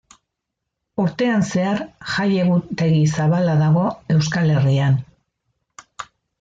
Urtean zehar jai egutegi zabala dago Euskal Herrian.